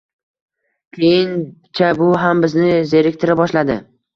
Keyincha bu ham bizni zeriktira boshladi